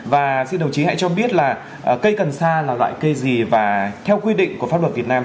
và xin đồng chí hãy cho biết là cây cần sa là loại cây gì và theo quy định của pháp luật việt nam